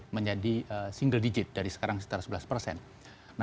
menjadi single digit dari sekarang sekitar sebelas persen